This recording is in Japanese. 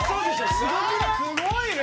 すごいね！